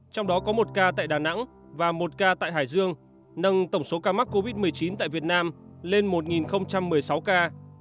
trong đó có một ca tại đà nẵng và một ca tại hải dương nâng tổng số ca mắc covid một mươi chín tại việt nam lên một một mươi sáu ca